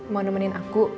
mau nemenin aku